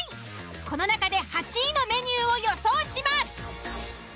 この中で８位のメニューを予想します。